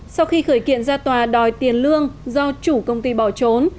sau khi khởi kiện ra tòa đòi tiền lương do chủ công ty bỏ trốn